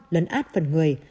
lấn át phần người